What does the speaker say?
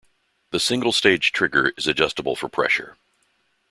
The single stage trigger is adjustable for pressure.